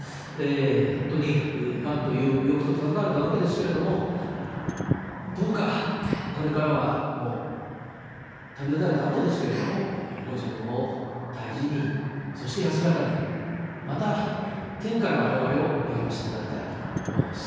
本当にがんという病気と闘われたわけですけれども、どうかこれからはもう旅立たれたあとですけれども、ご自分を大事に、そして安らかに、また、天からわれわれを励ましていただきたいと思います。